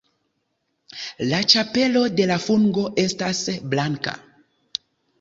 La ĉapelo de la fungo estas blanka.